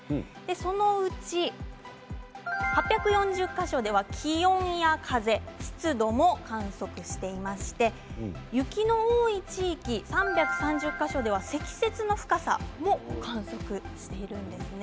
そのうち８４０か所では気温や風、湿度も観測していまして雪の多い地域、３３０か所では積雪の深さも観測しているんですね。